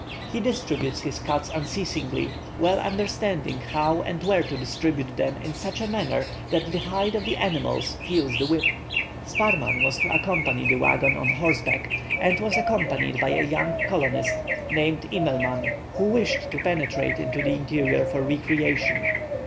He distributes his cuts unceasingly, well understanding how and where to distribute them in such a manner that the hide of the animals feels the whip." Sparrman was to accompany the waggon on horseback, and was accompanied by a young colonist, named Immelman, who wished to penetrate into the interior for recreation.